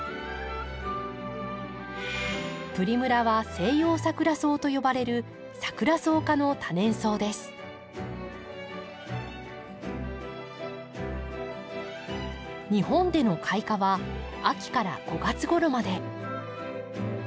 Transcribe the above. プリムラはセイヨウサクラソウと呼ばれる日本での開花は秋から５月ごろまで。